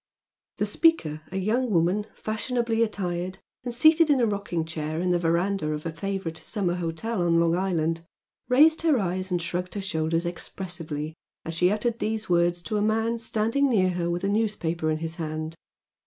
The speaker, a young woman fashionably attired and seated in a rocking chair in the verandah of a favourite summer hotel on Long Island, raised her eyes and shrugged her shoulders expressively as she uttered these words to a man standing near her with a newspaper in his hand.